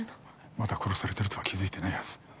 まだ殺されてるとは気付いてないはず。